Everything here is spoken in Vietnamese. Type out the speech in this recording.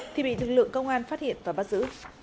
thì bị lực lượng công an phát hiện và bắt giữ